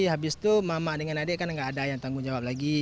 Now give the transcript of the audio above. habis itu mama dengan adik kan nggak ada yang tanggung jawab lagi